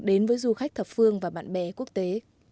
đến với du khách thập phương và bạn bè quốc tế